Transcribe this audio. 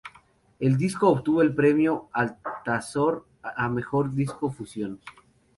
El disco obtuvo el Premio Altazor a mejor disco Fusión.